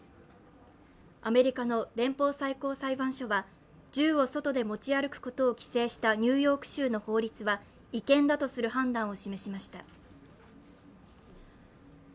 アメリカの連邦最高裁判所は銃を外で持ち歩くことを規制したニューヨーク州の法律は違憲だとする判断を示しましたる